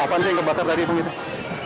apa yang terbakar tadi bang